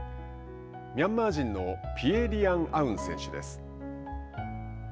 ミャンマー人のピエ・リアン・アウン選手です。